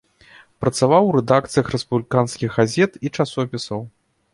Працаваў у рэдакцыях рэспубліканскіх газет і часопісаў.